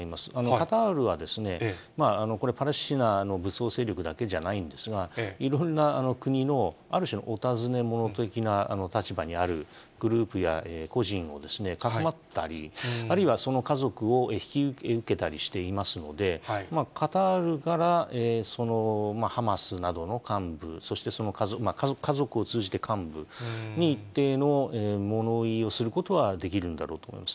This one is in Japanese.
カタールはですね、これ、パレスチナの武装勢力だけじゃないんですが、いろんな国のある種のお尋ね者的な立場にあるグループや個人をかくまったり、あるいはその家族を引き受けたりしていますので、カタールからハマスなどの幹部、そしてその家族を通じて幹部に一定のもの言いをすることはできるんだろうと思います。